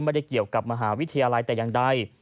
ไม่ได้เกี่ยวกับมหาวิทยาลัยแต่อย่างใด